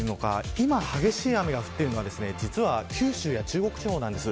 今、激しい雨が降っているのは九州や中国地方なんです。